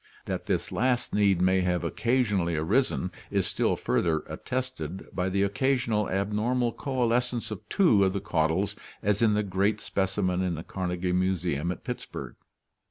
That this last need may have occasionally arisen is still further at tested by the occasional abnormal coalescence of two of the caudals as in the great specimen in the Carnegie Museum at Pittsburgh, here figured (PL III).